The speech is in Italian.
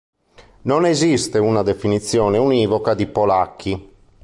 Non esiste una definizione univoca di "polacchi".